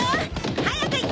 早く行って！